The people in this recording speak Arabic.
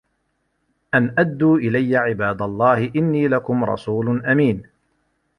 أَن أَدّوا إِلَيَّ عِبادَ اللَّهِ إِنّي لَكُم رَسولٌ أَمينٌ